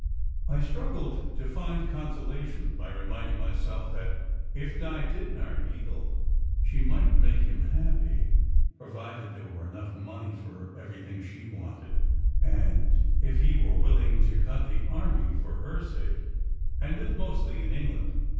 I struggled to find consolation by reminding myself that, if Di did marry Eagle, she might make him happy, provided there were enough money for everything she wanted, and if he were willing to cut the army for her sake and live mostly in England.